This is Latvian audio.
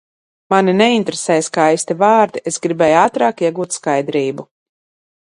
Mani neinteresēja skaisti vārdi, es gribēju ātrāk iegūt skaidrību.